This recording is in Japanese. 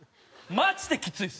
マジできついです！